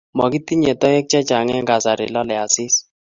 makitinye toek chechang eng kasari lolei asis